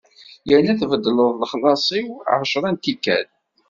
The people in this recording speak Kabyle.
Yerna tbeddleḍ lexlaṣ-iw ɛecṛa n tikkal.